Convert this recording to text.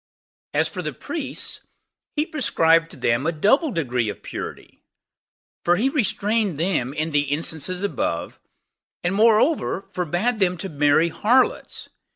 2. As for the priests, he prescribed to them a double degree of purity 25 for he restrained them in the instances above, and moreover forbade them to marry harlots.